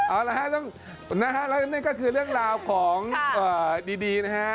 เอาละฮะนะฮะแล้วนั่นก็คือเรื่องราวของดีนะฮะ